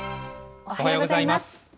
おはようございます。